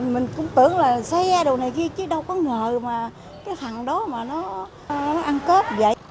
mình cũng tưởng là xe đồ này chứ đâu có ngờ mà cái thằng đó mà nó ăn cướp vậy